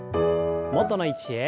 元の位置へ。